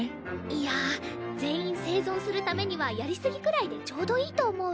いや全員生存するためにはやり過ぎくらいでちょうどいいと思う。